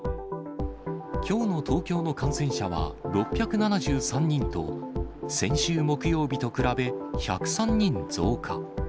きょうの東京の感染者は６７３人と、先週木曜日と比べ、１０３人増加。